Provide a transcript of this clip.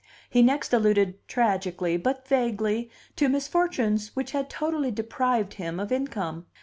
He next alluded tragically but vaguely to misfortunes which had totally deprived him of income.